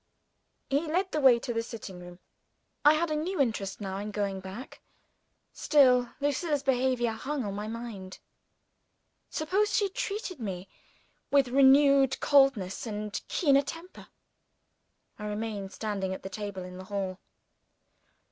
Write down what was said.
He led the way to the sitting room. I had a new interest, now, in going back. Still, Lucilla's behavior hung on my mind. Suppose she treated me with renewed coldness and keener contempt? I remained standing at the table in the hall.